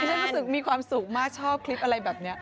ฉันรู้สึกมีความสุขมากชอบคลิปอะไรแบบนี้